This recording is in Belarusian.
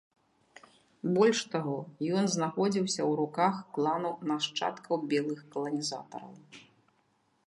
Больш таго, ён знаходзіцца ў руках клану нашчадкаў белых каланізатараў.